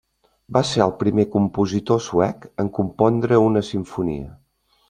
Va ser el primer compositor suec en compondre una simfonia.